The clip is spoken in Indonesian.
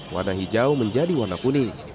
warna hijau menjadi warna kuning